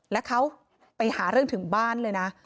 แล้วเขาไปหาเรื่องถึงบ้านเลยนะ